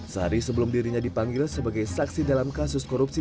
sehari sebelum dirinya dipanggil sebagai saksi dalam kasus korupsi